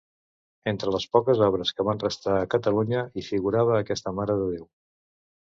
Entre les poques obres que van restar a Catalunya hi figurava aquesta Mare de Déu.